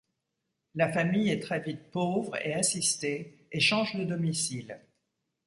La famille est très vite pauvre et assistée, et change de domicile.